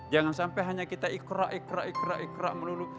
jangan sampai hanya kita ikhraq ikhraq ikhraq ikhraq melulu